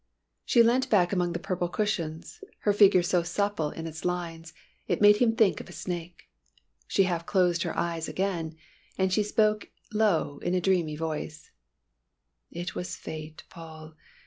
She leant back among the purple cushions, her figure so supple in its lines, it made him think of a snake. She half closed her eyes again and she spoke low in a dreamy voice: "It was fate, Paul.